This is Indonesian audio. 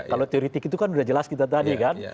kalau teoretik itu kan udah jelas kita tadi kan